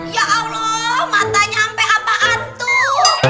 ya allah matanya sampai apaan tuh